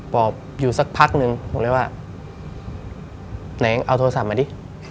อบอยู่สักพักนึงผมเลยว่าไหนเอาโทรศัพท์มาดิ